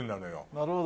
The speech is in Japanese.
なるほど。